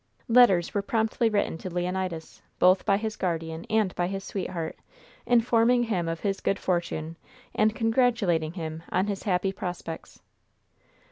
Letters were promptly written to Leonidas, both by his guardian and by his sweetheart, informing him of his good fortune and congratulating him on his happy prospects.